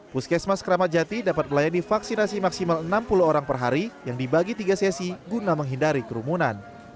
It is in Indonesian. puskesmas keramat jati dapat melayani vaksinasi maksimal enam puluh orang per hari yang dibagi tiga sesi guna menghindari kerumunan